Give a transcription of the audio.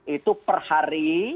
itu per hari